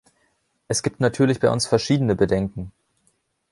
Es gibt natürlich bei uns verschiedene Bedenken.